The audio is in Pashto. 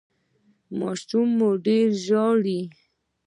ماشوم مو ډیر ژاړي؟